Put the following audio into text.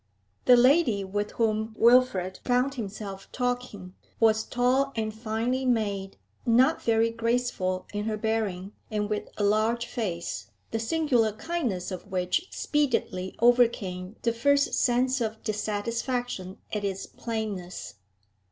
The lady with whom Wilfrid found himself talking was tall and finely made, not very graceful in her bearing, and with a large face, the singular kindness of which speedily overcame the first sense of dissatisfaction at its plainness.